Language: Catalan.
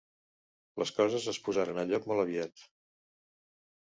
Les coses es posaran a lloc molt aviat